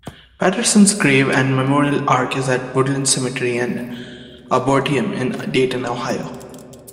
Patterson's grave and memorial arch is at Woodland Cemetery and Aborateum in Dayton, Ohio.